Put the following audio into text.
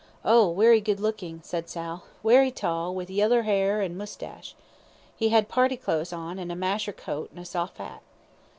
"Oh, werry good lookin'," said Sal. "Werry tall, with yeller 'air an' moustache. He 'ad party clothes on, an' a masher coat, an' a soft 'at."